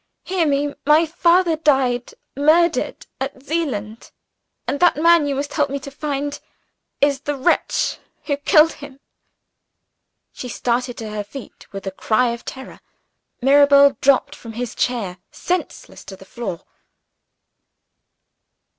hear me! My father died murdered, at Zeeland and the man you must help me to find is the wretch who killed him." She started to her feet with a cry of terror. Mirabel dropped from his chair senseless to the floor. CHAPTER LIV.